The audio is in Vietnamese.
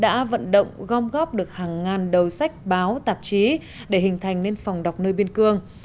đã vận động gom góp được hàng ngàn đầu sách báo tạp chí để hình thành nên phòng đọc nơi biên cương